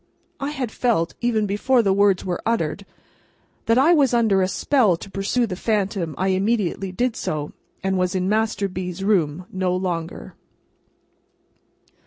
I had felt, even before the words were uttered, that I was under a spell to pursue the phantom. I immediately did so, and was in Master B.'s room no longer.